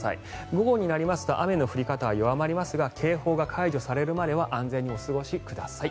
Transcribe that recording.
午後になりますと雨の降り方は弱まりますが警報が解除されるまでは安全にお過ごしください。